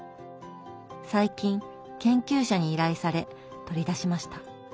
最近研究者に依頼され取り出しました。